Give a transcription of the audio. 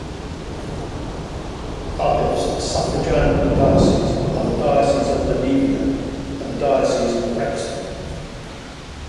Cardiff's suffragan dioceses are the Diocese of Menevia and the Diocese of Wrexham.